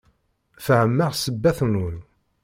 Fehmeɣ ssebbat-nwen.